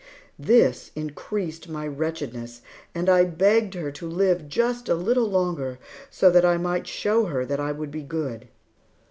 This increased my wretchedness, and I begged her to live just a little longer so that I might show her that I would be good.